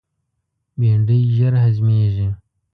بېنډۍ ژر هضمیږي